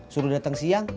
suruh dateng siang